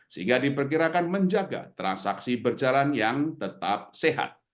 sehingga diperkirakan menjaga transaksi berjalan yang tetap sehat